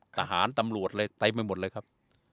ทหารตำรวจเลยตัยไม่หมดเลยครับ